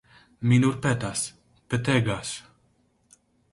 Mi nur petas, petegas.